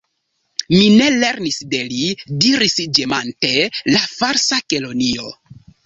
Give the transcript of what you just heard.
"Mi ne lernis de li," diris ĝemante la Falsa Kelonio.